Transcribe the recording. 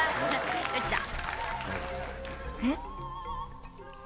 えっ？